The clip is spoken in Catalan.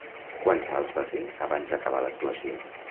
Quants salts va fer abans d'acabar l'actuació?